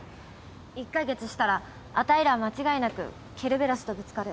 １カ月したらあたいらは間違いなくケルベロスとぶつかる。